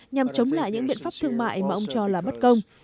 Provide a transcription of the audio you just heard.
nhằm chống lại những biện pháp thương mại mà ông cho là bất công